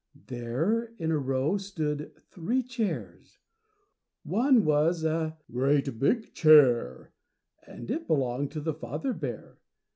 There in a row stood three chairs. One was a GREAT BIG CHAIR, and it belonged to the father bear.